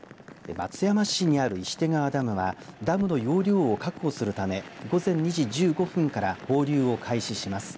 松山市にある石手川ダムはダムの容量を確保するため午前２時１５分から放流を開始します。